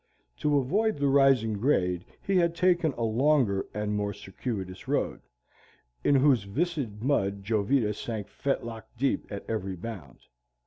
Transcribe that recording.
To avoid the rising grade he had taken a longer and more circuitous road, in whose viscid mud Jovita sank fetlock deep at every bound.